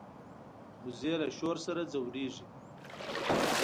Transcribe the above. وزې له شور سره ځورېږي